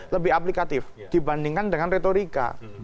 lebih aplikatif dibandingkan dengan retorika